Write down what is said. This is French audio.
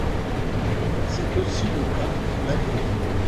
C'est aussi le cas pour l'avion.